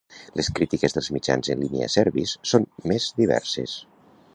Les crítiques dels mitjans en línia serbis són més diverses.